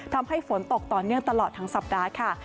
ทำให้ฝนตกต่อเนื่องตลอดทั้งสัปดาห์ค่ะ